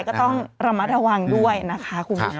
ก็ต้องระมัดระวังด้วยนะคะคุณผู้ชม